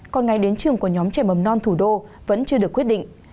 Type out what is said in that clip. còn ngày đến trường của nhóm trẻ mầm non thủ đô vẫn chưa được quyết định